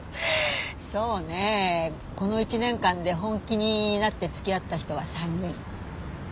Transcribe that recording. そうねこの１年間で本気になって付き合った人は３人。